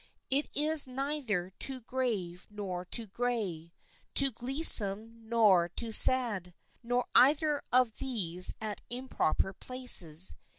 It is neither too grave nor too gay, too gleesome nor too sad, nor either of these at improper places.